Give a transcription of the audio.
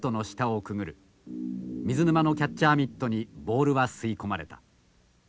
水沼のキャッチャーミットにボールは吸い込まれた。